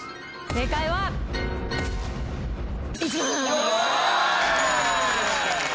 正解は１番！